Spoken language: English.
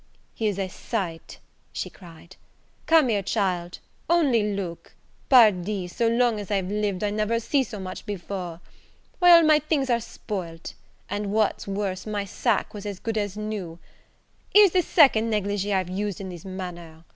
"Here's a sight!" she cried. "Come, here child, only look Pardi, so long as I've lived, I never see so much before! Why, all my things are spoilt; and what's worse, my sacque was as good as new. Here's the second negligee I've used in this manner!